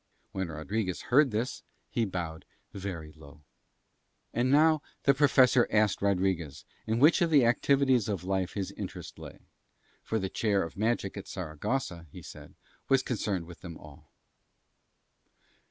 When Rodriguez heard this he bowed very low. And now the Professor asked Rodriguez in which of the activities of life his interest lay; for the Chair of Magic at Saragossa, he said, was concerned with them all.